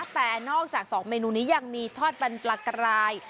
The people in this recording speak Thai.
แต่นอกจาก๒เมนูนี้ยังมีทอดเป็นปลากราย